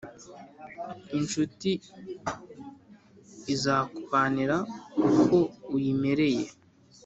incuti izakubanira uko uyimereye